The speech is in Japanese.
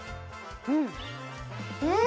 うん！